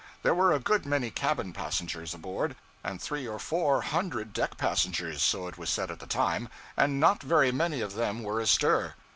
There were a good many cabin passengers aboard, and three or four hundred deck passengers so it was said at the time and not very many of them were astir.